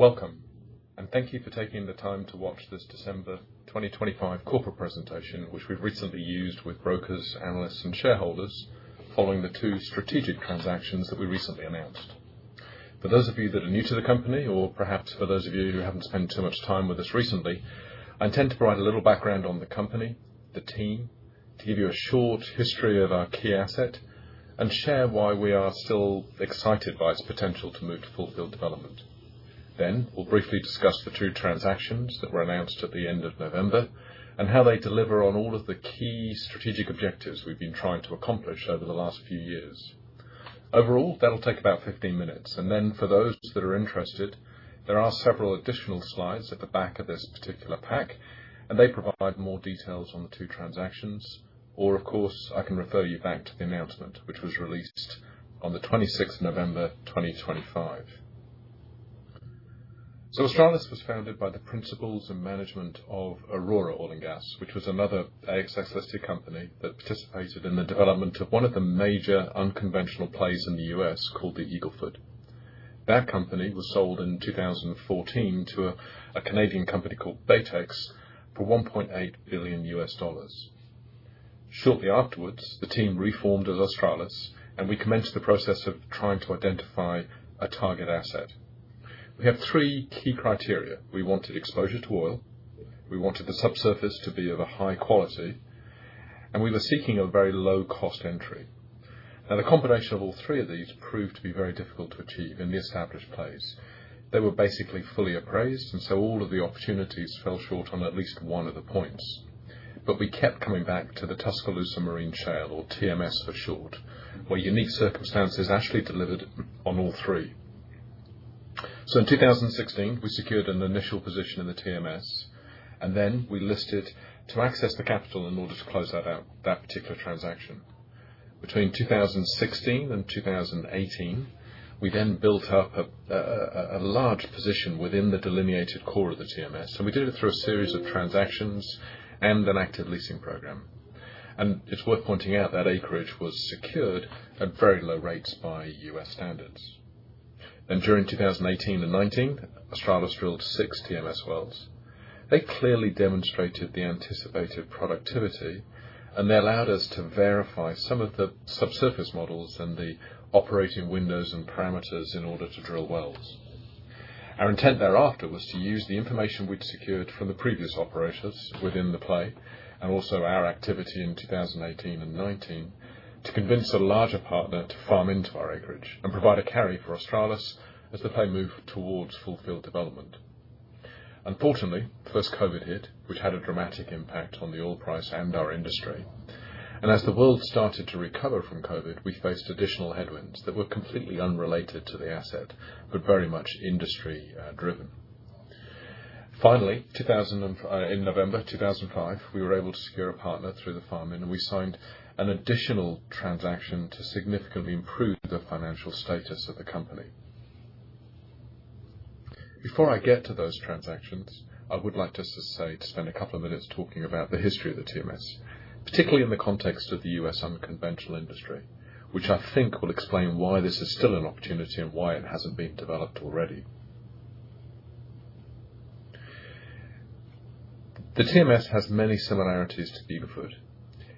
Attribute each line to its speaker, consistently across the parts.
Speaker 1: Welcome, and thank you for taking the time to watch this December 2025 corporate presentation, which we've recently used with brokers, analysts, and shareholders following the two strategic transactions that we recently announced. For those of you that are new to the company, or perhaps for those of you who haven't spent too much time with us recently, I intend to provide a little background on the company, the team, to give you a short history of our key asset, and share why we are still excited by its potential to move to full-field development. Then, we'll briefly discuss the two transactions that were announced at the end of November and how they deliver on all of the key strategic objectives we've been trying to accomplish over the last few years. Overall, that'll take about 15 minutes, and then for those that are interested, there are several additional slides at the back of this particular pack, and they provide more details on the two transactions, or of course, I can refer you back to the announcement which was released on the 26th of November 2025. So, Australis was founded by the principals and management of Aurora Oil & Gas, which was another ASX-listed company that participated in the development of one of the major unconventional plays in the U.S. called the Eagle Ford. That company was sold in 2014 to a Canadian company called Baytex for $1.8 billion. Shortly afterwards, the team reformed as Australis, and we commenced the process of trying to identify a target asset. We had three key criteria: we wanted exposure to oil, we wanted the subsurface to be of a high quality, and we were seeking a very low-cost entry. Now, the combination of all three of these proved to be very difficult to achieve in the established plays. They were basically fully appraised, and so all of the opportunities fell short on at least one of the points. But we kept coming back to the Tuscaloosa Marine Shale, or TMS for short, where unique circumstances actually delivered on all three. So, in 2016, we secured an initial position in the TMS, and then we listed to access the capital in order to close that particular transaction. Between 2016 and 2018, we then built up a large position within the delineated core of the TMS, and we did it through a series of transactions and an active leasing program. It's worth pointing out that acreage was secured at very low rates by U.S. standards. During 2018 and 2019, Australis drilled six TMS wells. They clearly demonstrated the anticipated productivity, and they allowed us to verify some of the subsurface models and the operating windows and parameters in order to drill wells. Our intent thereafter was to use the information we'd secured from the previous operators within the play, and also our activity in 2018 and 2019, to convince a larger partner to farm into our acreage and provide a carry for Australis as the play moved towards full-field development. Unfortunately, first COVID hit, which had a dramatic impact on the oil price and our industry. As the world started to recover from COVID, we faced additional headwinds that were completely unrelated to the asset but very much industry-driven. Finally, in November 2005, we were able to secure a partner through the farming, and we signed an additional transaction to significantly improve the financial status of the company. Before I get to those transactions, I would like to spend a couple of minutes talking about the history of the TMS, particularly in the context of the U.S. unconventional industry, which I think will explain why this is still an opportunity and why it hasn't been developed already. The TMS has many similarities to Eagle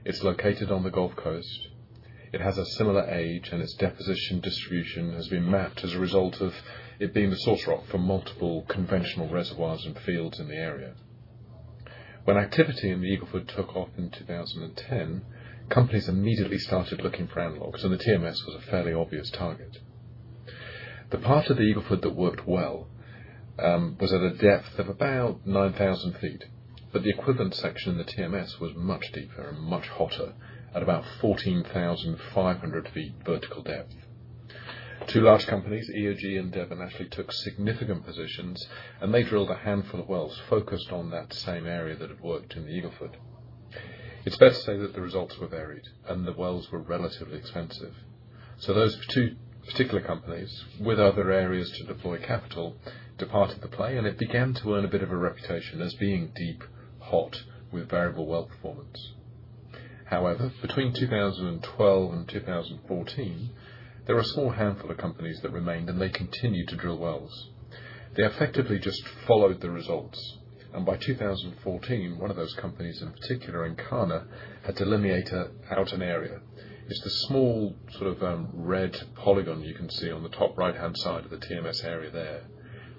Speaker 1: Ford. It's located on the Gulf Coast. It has a similar age, and its deposition distribution has been mapped as a result of it being the source rock for multiple conventional reservoirs and fields in the area. When activity in the Eagle Ford took off in 2010, companies immediately started looking for analogs, and the TMS was a fairly obvious target. The part of the Eagle Ford that worked well was at a depth of about 9,000 feet, but the equivalent section in the TMS was much deeper and much hotter at about 14,500 feet vertical depth. Two large companies, EOG and Devon, actually, took significant positions, and they drilled a handful of wells focused on that same area that had worked in the Eagle Ford. It's best to say that the results were varied, and the wells were relatively expensive, so those two particular companies, with other areas to deploy capital, departed the play, and it began to earn a bit of a reputation as being deep, hot, with variable well performance. However, between 2012 and 2014, there were a small handful of companies that remained, and they continued to drill wells. They effectively just followed the results, and by 2014, one of those companies in particular, Encana, had delineated out an area. It's the small sort of red polygon you can see on the top right-hand side of the TMS area there.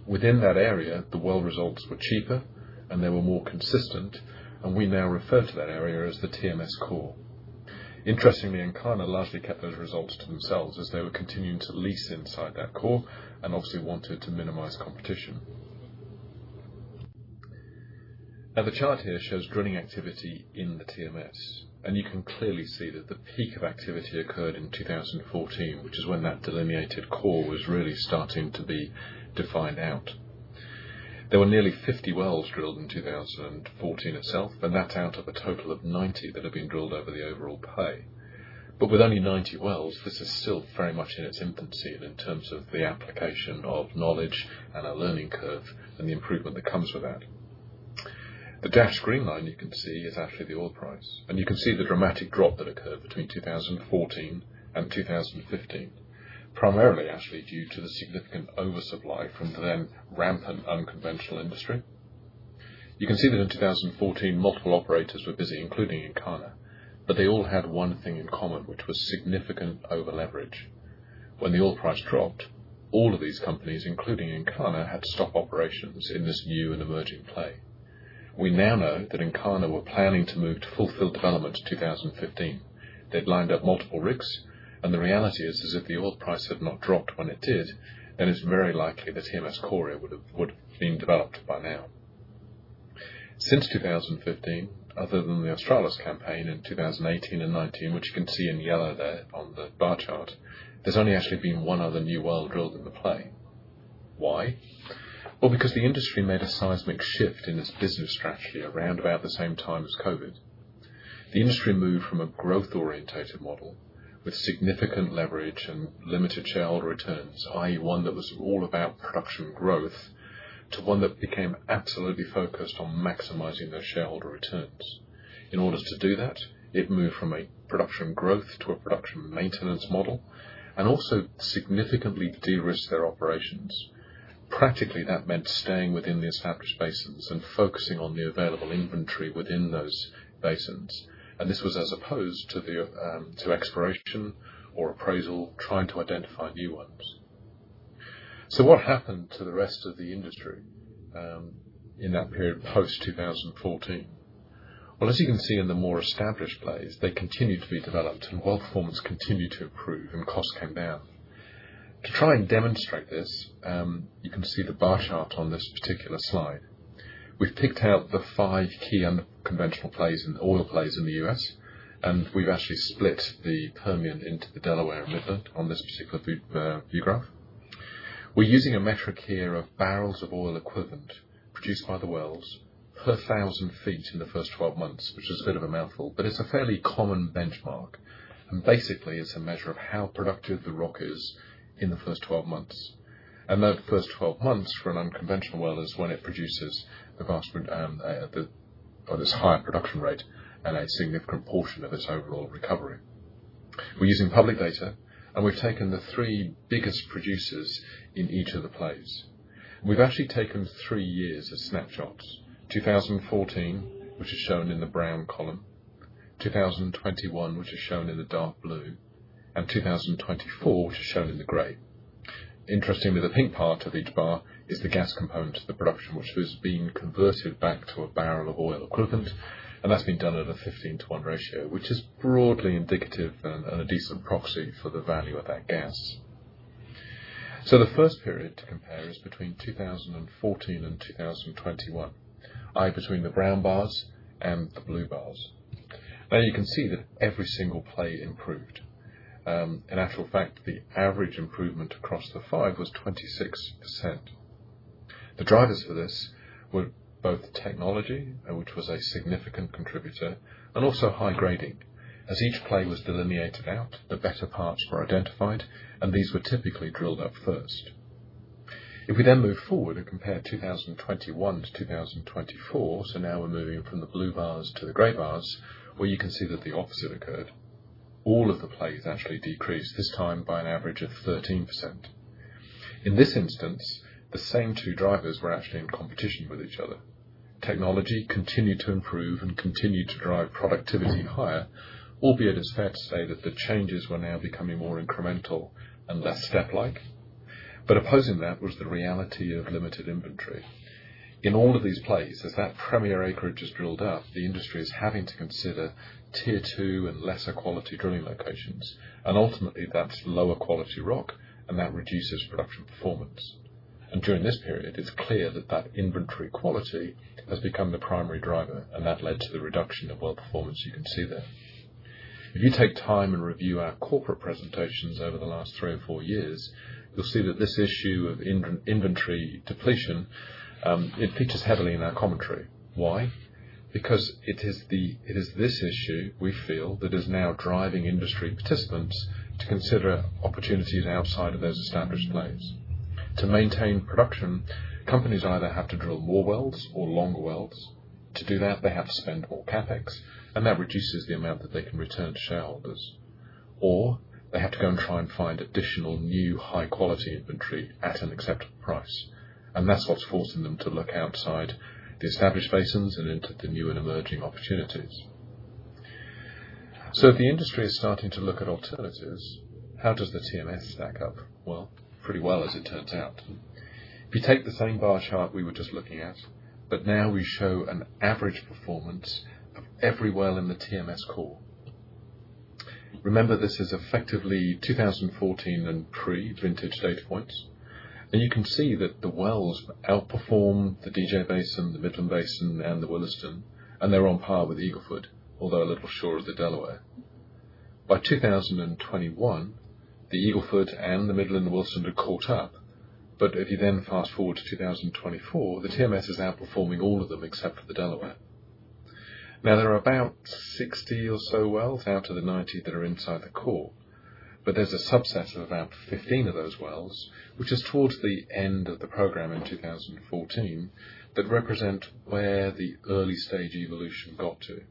Speaker 1: Within that area, the well results were cheaper, and they were more consistent, and we now refer to that area as the TMS Core. Interestingly, Encana largely kept those results to themselves as they were continuing to lease inside that core and obviously wanted to minimize competition. Now, the chart here shows drilling activity in the TMS, and you can clearly see that the peak of activity occurred in 2014, which is when that delineated core was really starting to be defined out. There were nearly 50 wells drilled in 2014 itself, and that's out of a total of 90 that had been drilled over the overall play. But with only 90 wells, this is still very much in its infancy in terms of the application of knowledge and a learning curve and the improvement that comes with that. The dashed green line you can see is actually the oil price, and you can see the dramatic drop that occurred between 2014 and 2015, primarily actually due to the significant oversupply from the then rampant unconventional industry. You can see that in 2014, multiple operators were busy, including Encana, but they all had one thing in common, which was significant over-leverage. When the oil price dropped, all of these companies, including Encana, had to stop operations in this new and emerging play. We now know that Encana were planning to move to full-field development in 2015. They'd lined up multiple rigs, and the reality is, as if the oil price had not dropped when it did, then it's very likely that TMS Core would have been developed by now. Since 2015, other than the Australis campaign in 2018 and 2019, which you can see in yellow there on the bar chart, there's only actually been one other new well drilled in the play. Why? Well, because the industry made a seismic shift in its business strategy around about the same time as COVID. The industry moved from a growth-oriented model with significant leverage and limited shareholder returns, i.e., one that was all about production growth, to one that became absolutely focused on maximizing those shareholder returns. In order to do that, it moved from a production growth to a production maintenance model and also significantly de-risked their operations. Practically, that meant staying within the established basins and focusing on the available inventory within those basins, and this was as opposed to exploration or appraisal, trying to identify new ones. So, what happened to the rest of the industry in that period post-2014? Well, as you can see in the more established plays, they continued to be developed, and well performance continued to improve, and costs came down. To try and demonstrate this, you can see the bar chart on this particular slide. We've picked out the five key unconventional plays in oil plays in the U.S., and we've actually split the Permian into the Delaware and Midland on this particular view graph. We're using a metric here of barrels of oil equivalent produced by the wells per 1,000 feet in the first 12 months, which is a bit of a mouthful, but it's a fairly common benchmark, and basically, it's a measure of how productive the rock is in the first 12 months, and those first 12 months for an unconventional well is when it produces the vast majority of this higher production rate and a significant portion of its overall recovery. We're using public data, and we've taken the three biggest producers in each of the plays. We've actually taken three years as snapshots: 2014, which is shown in the brown column, 2021, which is shown in the dark blue, and 2024, which is shown in the gray. Interestingly, the pink part of each bar is the gas component of the production, which has been converted back to a barrel of oil equivalent, and that's been done at a 15:1 ratio, which is broadly indicative and a decent proxy for the value of that gas. So, the first period to compare is between 2014 and 2021, i.e., between the brown bars and the blue bars. Now, you can see that every single play improved. In actual fact, the average improvement across the five was 26%. The drivers for this were both technology, which was a significant contributor, and also high grading. As each play was delineated out, the better parts were identified, and these were typically drilled up first. If we then move forward and compare 2021 to 2024, so now we're moving from the blue bars to the gray bars, well, you can see that the opposite occurred. All of the plays actually decreased, this time by an average of 13%. In this instance, the same two drivers were actually in competition with each other. Technology continued to improve and continued to drive productivity higher, albeit it's fair to say that the changes were now becoming more incremental and less step-like. But opposing that was the reality of limited inventory. In all of these plays, as that premier acreage is drilled up, the industry is having to consider tier two and lesser quality drilling locations, and ultimately, that's lower quality rock, and that reduces production performance. During this period, it's clear that that inventory quality has become the primary driver, and that led to the reduction of well performance you can see there. If you take time and review our corporate presentations over the last three or four years, you'll see that this issue of inventory depletion, it features heavily in our commentary. Why? Because it is this issue we feel that is now driving industry participants to consider opportunities outside of those established plays. To maintain production, companies either have to drill more wells or longer wells. To do that, they have to spend more CapEx, and that reduces the amount that they can return to shareholders. Or they have to go and try and find additional new high-quality inventory at an acceptable price, and that's what's forcing them to look outside the established basins and into the new and emerging opportunities. If the industry is starting to look at alternatives, how does the TMS stack up? Pretty well, as it turns out. If you take the same bar chart we were just looking at, but now we show an average performance of every well in the TMS Core. Remember, this is effectively 2014 and pre-vintage data points, and you can see that the wells outperform the DJ Basin, the Midland Basin, and the Williston, and they're on par with Eagle Ford, although a little shorter than Delaware. By 2021, the Eagle Ford and the Midland and the Williston had caught up, but if you then fast forward to 2024, the TMS is outperforming all of them except for the Delaware. Now, there are about 60 or so wells out of the 90 that are inside the core, but there's a subset of about 15 of those wells, which is towards the end of the program in 2014, that represent where the early-stage evolution got to.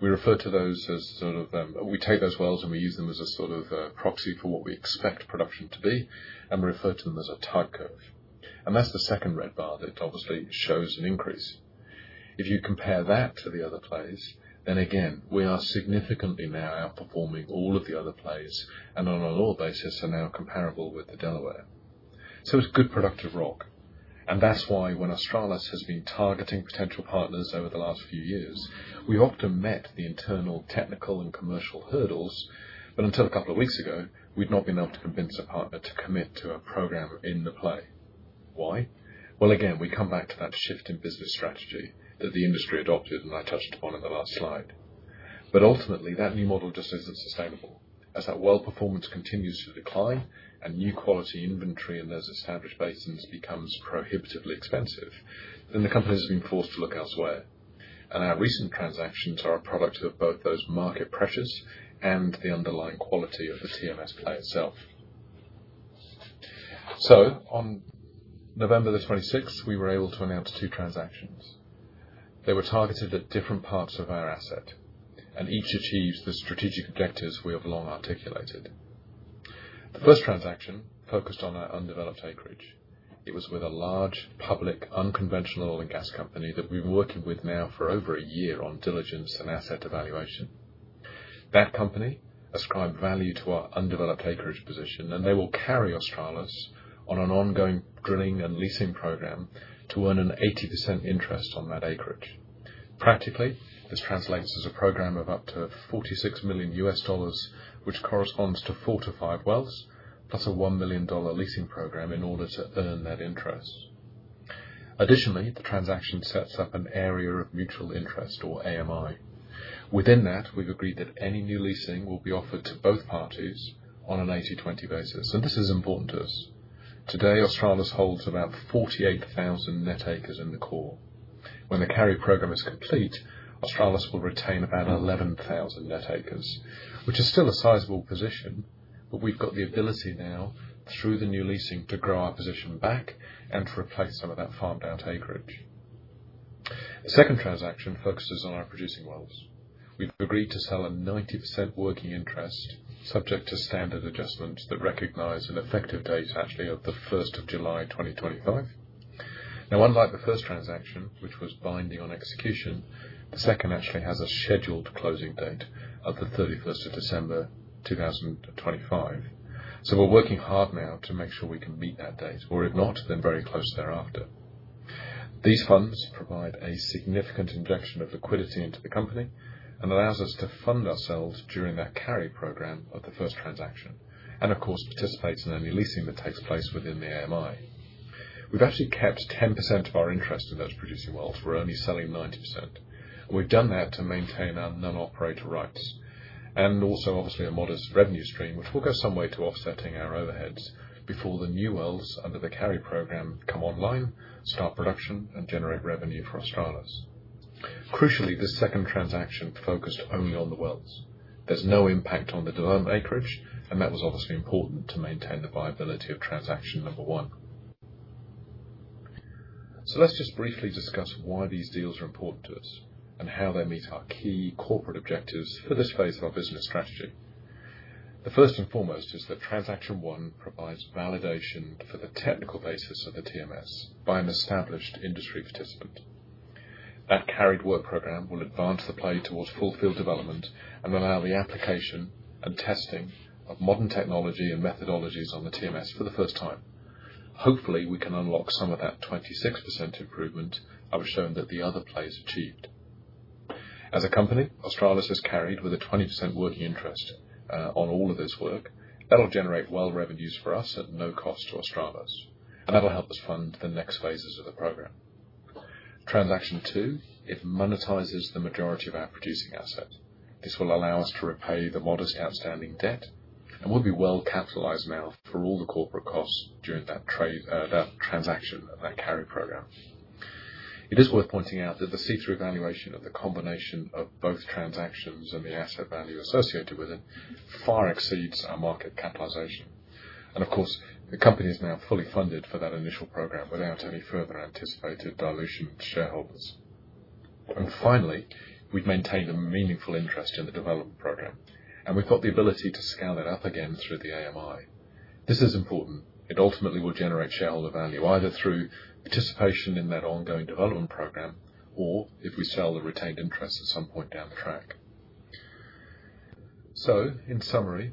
Speaker 1: We refer to those as sort of we take those wells and we use them as a sort of proxy for what we expect production to be, and we refer to them as a type curve, and that's the second red bar that obviously shows an increase. If you compare that to the other plays, then again, we are significantly now outperforming all of the other plays, and on an oil basis, are now comparable with the Delaware. So, it's good productive rock, and that's why when Australis has been targeting potential partners over the last few years, we often met the internal technical and commercial hurdles, but until a couple of weeks ago, we'd not been able to convince a partner to commit to a program in the play. Why? Well, again, we come back to that shift in business strategy that the industry adopted, and I touched upon in the last slide. But ultimately, that new model just isn't sustainable. As that well performance continues to decline and new quality inventory in those established basins becomes prohibitively expensive, then the companies have been forced to look elsewhere, and our recent transactions are a product of both those market pressures and the underlying quality of the TMS play itself. So, on November the 26th, we were able to announce two transactions. They were targeted at different parts of our asset, and each achieved the strategic objectives we have long articulated. The first transaction focused on our undeveloped acreage. It was with a large public unconventional oil and gas company that we've been working with now for over a year on diligence and asset evaluation. That company has added value to our undeveloped acreage position, and they will carry Australis on an ongoing drilling and leasing program to earn an 80% interest on that acreage. Practically, this translates as a program of up to $46 million, which corresponds to four to five wells plus a $1 million leasing program in order to earn that interest. Additionally, the transaction sets up an area of mutual interest or AMI. Within that, we've agreed that any new leasing will be offered to both parties on an 80/20 basis, and this is important to us. Today, Australis holds about 48,000 net acres in the core. When the carry program is complete, Australis will retain about 11,000 net acres, which is still a sizable position, but we've got the ability now, through the new leasing, to grow our position back and to replace some of that farmed out acreage. The second transaction focuses on our producing wells. We've agreed to sell a 90% working interest, subject to standard adjustments that recognize an effective date actually of the 1st of July 2025. Now, unlike the first transaction, which was binding on execution, the second actually has a scheduled closing date of the 31st of December 2025. We're working hard now to make sure we can meet that date, or if not, then very close thereafter. These funds provide a significant injection of liquidity into the company and allows us to fund ourselves during that carry program of the first transaction, and of course, participate in any leasing that takes place within the AMI. We've actually kept 10% of our interest in those producing wells. We're only selling 90%, and we've done that to maintain our non-operator rights and also, obviously, a modest revenue stream, which will go some way to offsetting our overheads before the new wells under the carry program come online, start production, and generate revenue for Australis. Crucially, this second transaction focused only on the wells. There's no impact on the development acreage, and that was obviously important to maintain the viability of transaction number one. So, let's just briefly discuss why these deals are important to us and how they meet our key corporate objectives for this phase of our business strategy. The first and foremost is that transaction one provides validation for the technical basis of the TMS by an established industry participant. That carried work program will advance the play towards full-field development and allow the application and testing of modern technology and methodologies on the TMS for the first time. Hopefully, we can unlock some of that 26% improvement I was shown that the other plays achieved. As a company, Australis has carried with a 20% working interest on all of this work. That'll generate well revenues for us at no cost to Australis, and that'll help us fund the next phases of the program. Transaction two monetizes the majority of our producing asset. This will allow us to repay the modest outstanding debt, and we'll be well capitalized now for all the corporate costs during that transaction of that carry program. It is worth pointing out that the C3 valuation of the combination of both transactions and the asset value associated with it far exceeds our market capitalization, and of course, the company is now fully funded for that initial program without any further anticipated dilution to shareholders, and finally, we've maintained a meaningful interest in the development program, and we've got the ability to scale that up again through the AMI. This is important. It ultimately will generate shareholder value either through participation in that ongoing development program or if we sell the retained interest at some point down the track, so in summary,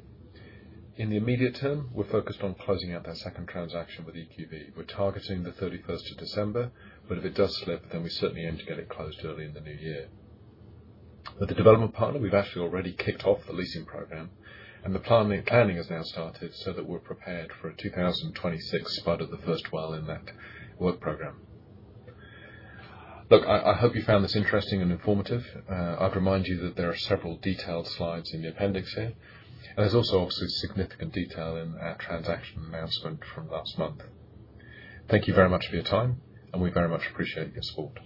Speaker 1: in the immediate term, we're focused on closing out that second transaction with EQV. We're targeting the 31st of December, but if it does slip, then we certainly aim to get it closed early in the new year. With the development partner, we've actually already kicked off the leasing program, and the planning has now started so that we're prepared for a 2026 spud of the first well in that work program. Look, I hope you found this interesting and informative. I'd remind you that there are several detailed slides in the appendix here, and there's also obviously significant detail in our transaction announcement from last month. Thank you very much for your time, and we very much appreciate your support.